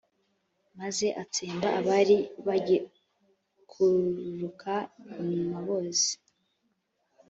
maze atsemba abari bagikururuka inyuma bose;